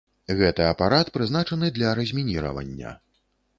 Гэты апарат прызначаны для размініравання.